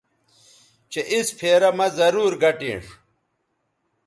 چہء اِس پھیرہ مہ ضرور گٹینݜ